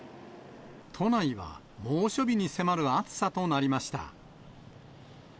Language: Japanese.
都内は、猛暑日に迫る暑さとなりました。